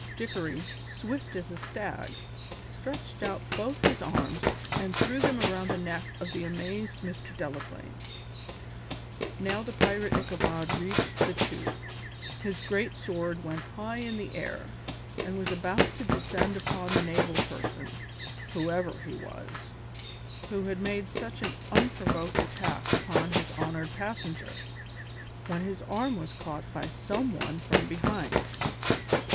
Dickory, swift as a stag, stretched out both his arms and threw them around the neck of the amazed Mr. Delaplaine. Now the pirate Ichabod reached the two; his great sword went high in air, and was about to descend upon the naval person, whoever he was, who had made such an unprovoked attack upon his honoured passenger, when his arm was caught by some one from behind.